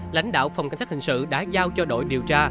lãnh đạo phòng cảnh sát hình sự đã giao cho đội điều tra